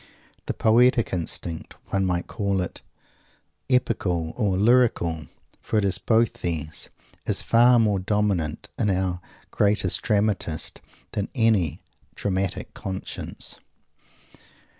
_ The poetic instinct one might call it "epical" or "lyrical," for it is both these is far more dominant in our "greatest dramatist" than any dramatic conscience.